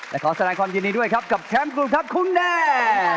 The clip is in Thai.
และขอแสดงความยินดีด้วยครับกับแชมป์กลุ่มครับคุณแด้